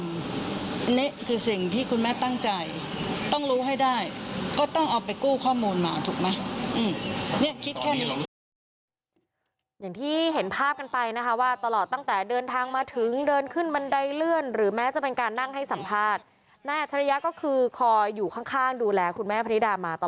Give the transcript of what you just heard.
นี่คือสิ่งที่คุณแม่ตั้งใจต้องรู้ให้ได้ก็ต้องเอาไปกู้ข้อมูลมาถูกไหม